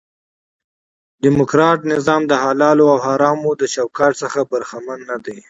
ډیموکراټ نظام دحلالو او حرامو د چوکاټ څخه برخمن نه دي.